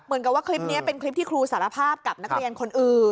เหมือนกับว่าคลิปนี้เป็นคลิปที่ครูสารภาพกับนักเรียนคนอื่น